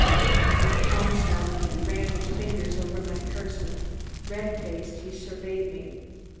He pounced on me and ran his fingers over my person. Red faced, he surveyed me.